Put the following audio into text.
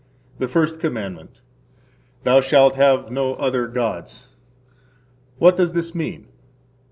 The First Commandment. Thou shalt have no other gods. What does this mean?